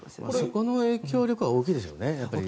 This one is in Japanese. この影響力は大きいでしょうね。